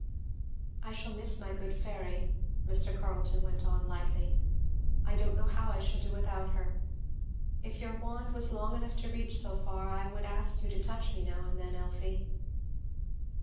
"I shall miss my good fairy," Mr. Carleton went on lightly; "I don't know how I shall do without her. If your wand was long enough to reach so far I would ask you to touch me now and then, Elfie."